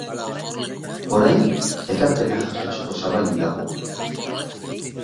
Orain, ekarpenak jasotzeko zabalik dago.